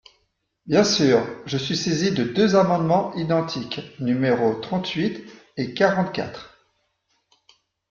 Bien sûr ! Je suis saisi de deux amendements identiques, numéros trente-huit et quarante-quatre.